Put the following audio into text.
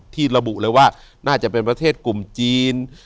ที่ระบุเลยว่าน่าจะเป็นประเทศกลุ่มจีน